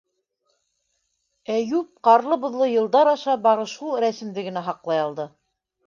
Әйүп ҡарлы-боҙло йылдар аша бары шул рәсемде генә һаҡлай алды...